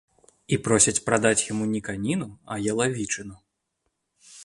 І просіць прадаць яму не каніну, а ялавічыну.